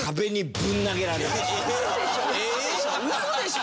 ウソでしょ？